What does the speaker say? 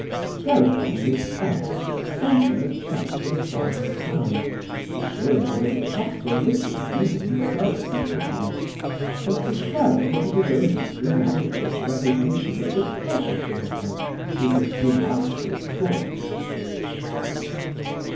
Thereupon Miss S sent him a cheque for £1,000, assuring him that it cost her little even in self sacrifice, and declaring that it was only inadequate recognition of the pleasure she had had through his delightful talks.